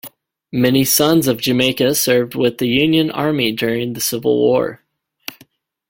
Many sons of Jamaica served with the Union Army during the Civil War.